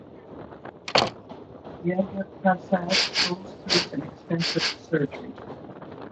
Yagya Prasad goes through an expensive surgery.